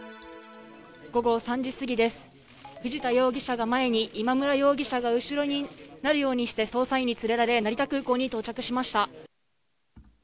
午後３時過ぎです、藤田容疑者が前に、今村容疑者が後ろになるようにして捜査員に連れられ、成田空港に到着しました。